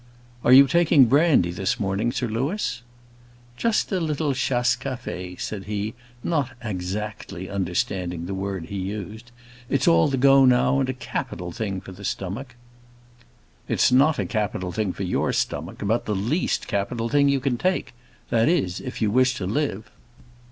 "Are you taking brandy this morning, Sir Louis?" "Just a little chasse café," said he, not exactly understanding the word he used. "It's all the go now; and a capital thing for the stomach." "It's not a capital thing for your stomach; about the least capital thing you can take; that is, if you wish to live."